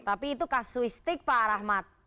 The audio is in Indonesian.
tapi itu kasuistik pak rahmat